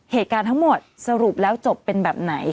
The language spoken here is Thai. เหตุการณ์ทั้งหมดสรุปแล้วจบเป็นแบบไหน